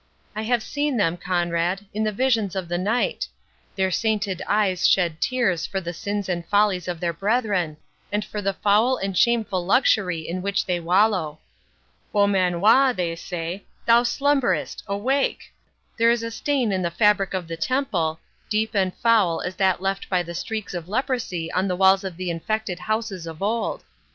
I have seen them, Conrade, in the visions of the night—their sainted eyes shed tears for the sins and follies of their brethren, and for the foul and shameful luxury in which they wallow. Beaumanoir, they say, thou slumberest—awake! There is a stain in the fabric of the Temple, deep and foul as that left by the streaks of leprosy on the walls of the infected houses of old.